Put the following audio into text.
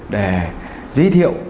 để giới thiệu